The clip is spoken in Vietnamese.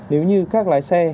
nếu như các lái xe